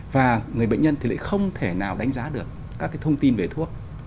và người bệnh nhân thì lại không thể nào đánh giá được các cái thông tin về thuốc